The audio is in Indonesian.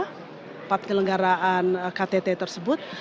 tempat kelenggaraan ktt tersebut